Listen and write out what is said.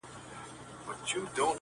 ما ويل څه به مي احوال واخلي.